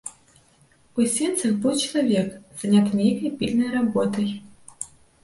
У сенцах быў чалавек, заняты нейкай пільнай работай.